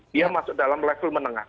dia masuk dalam level menengah